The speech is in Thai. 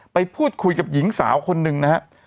ไปพูดคุยกับหญิงสาวคนหนึ่งนะครับ